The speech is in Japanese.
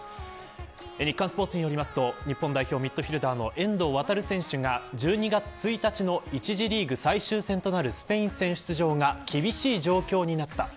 日刊スポーツによりますと日本代表ミッドフィルダーの遠藤航選手が１２月１日の１次リーグ最終戦となるスペイン戦出場が厳しい状況になった。